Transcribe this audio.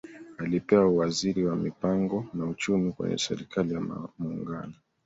Alipewa uwaziri wa Mipango na Uchumi kwenye Serikali ya Muungano